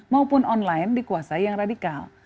maupun online dikuasai yang radikal